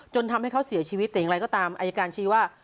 จนทำให้เขาเสียชีวิตแต่อย่างไรก็ตามอายการชี้ว่า